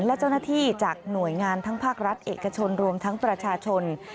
และเจ้าหน้าที่จากหน่วยงานทั้งภาครัฐเอกชนรวมทั้งประชาชน